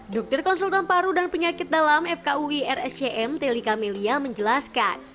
dokter konsultan paru dan penyakit dalam fkui rsjm teli kamelia menjelaskan